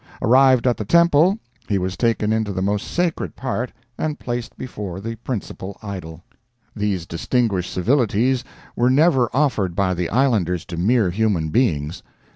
Arrived at the temple, he was taken into the most sacred part and placed before the principal idol. These distinguished civilities were never offered by the islanders to mere human beings.